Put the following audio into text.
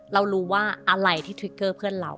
เรารู้ว่าอะไรที่ทริกเกอร์เพื่อนเรา